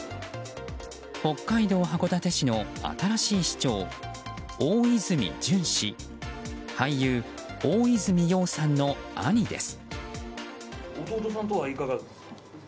北海道函館市の新しい市長大泉潤氏俳優・大泉洋さんの兄です。